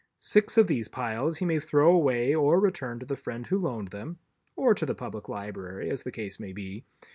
Six of these piles he may throw away or return to the friends who loaned them—or the Public Library, as the case may be.